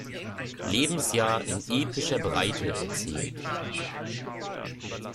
Lebensjahr in epischer Breite erzählt.